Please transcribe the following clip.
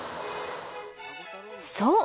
そう！